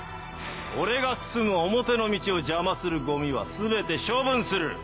俺が進む表の道を邪魔するゴミは全て処分する！